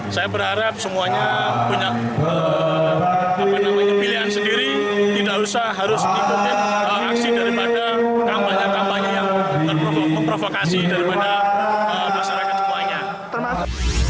saya berharap semuanya punya pilihan sendiri tidak usah harus dipungkit aksi daripada kampanye kampanye yang memprovokasi daripada masyarakat semuanya